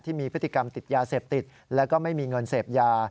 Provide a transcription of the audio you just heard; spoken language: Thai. ที่มีพฤติกรรมติดยาเสพติดแล้วก็ไม่มีเงินเสพยา